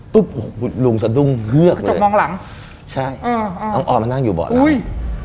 ปุ๊บลุงสดุ้งเหลือกเลยกระจกมองหลังใช่น้องออนมานั่งอยู่บอสหลัง